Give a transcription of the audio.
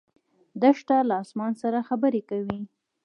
دښته له اسمان سره خبرې کوي.